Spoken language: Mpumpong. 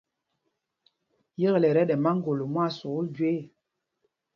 Yekle ɛ tí ɛjúl máŋgolo mwán sukûl jüe ɛ.